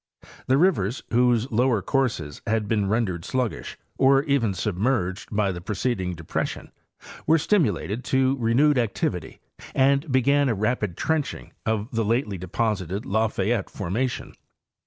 The rivers whose lower courses had been rendered sluggish or even submerged by the preceding depression were stimulated to renewed activity and began a rapid trenching of the lately de posited Lafayette formation.